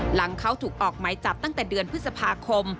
หลังเขาถูกออกไหมจับตั้งแต่เดือนพฤษภาคม